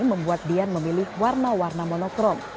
membuat dian memilih warna warna monokrom